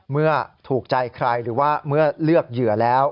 เมื่อถูกใจใครหรือว่าเมื่อเลือกเหยื่อแล้ว